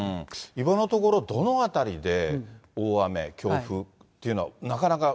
今のところ、どの辺りで大雨、強風というのは、なかなか？